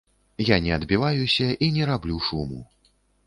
Я не адбіваюся і не раблю шуму.